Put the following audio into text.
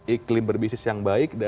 iklim berbisnis yang baik